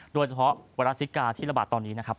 โดยเฉพาะไวรัสซิกาที่ระบาดตอนนี้นะครับ